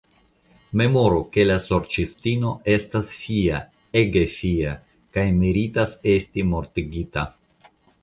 Memoru ke la Sorĉistino estas Fia, ege Fia, kaj meritas esti mortigita.